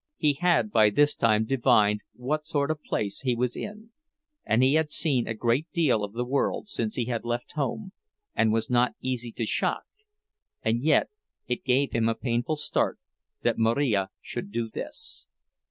He had by this time divined what sort of a place he was in; and he had seen a great deal of the world since he had left home, and was not easy to shock—and yet it gave him a painful start that Marija should do this.